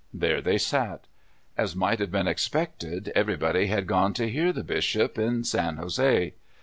There they sat. As might have been expected, everybody had gone to hear the bishop, in San Jose.